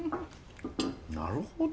なるほど！